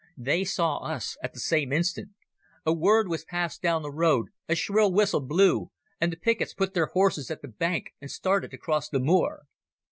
They saw us at the same instant. A word was passed down the road, a shrill whistle blew, and the pickets put their horses at the bank and started across the moor.